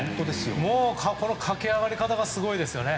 もう、この駆け上がり方はすごいですよね。